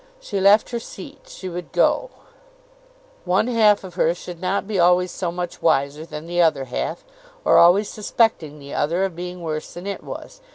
She left her seat, she would go; one half of her should not be always so much wiser than the other half, or always suspecting the other of being worse than it was.